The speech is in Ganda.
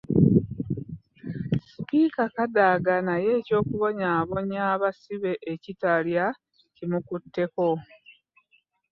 Sipiika Kadaga naye eky'okubonyaabonya abasibe e Kitalya kimukutteko.